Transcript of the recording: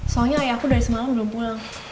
soalnya ayahku dari semalam belum pulang